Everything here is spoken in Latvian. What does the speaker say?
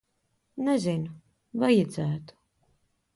Nezinu. Vajadzētu.